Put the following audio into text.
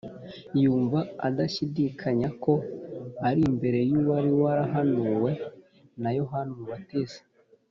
. Yumva adashidikanya ko ari imbere y’uwari warahanuwe na Yohana Umubatiza.